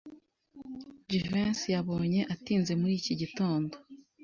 Jivency yabonye atinze muri iki gitondo.